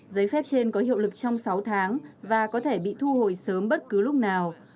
giấy phép trên có hiệu lực trong sáu tháng và có thể bị thu hồi sớm bất cứ lúc nào